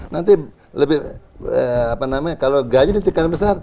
nanti lebih apa namanya kalau gaji di tingkat besar